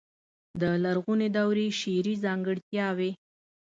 د لرغونې دورې شعري ځانګړتياوې.